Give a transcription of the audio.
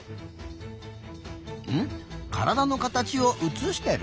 ん？からだのかたちをうつしてる？